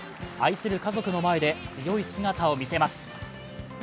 愛する家族の前で強い姿を見せます。